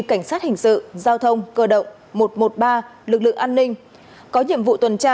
cảnh sát hình sự giao thông cơ động một trăm một mươi ba lực lượng an ninh có nhiệm vụ tuần tra